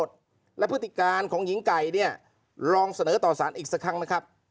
ทำนักฐานของหญิงไกรเนี่ยลองเสนอต่อสารอีกซะครั้งนะครับ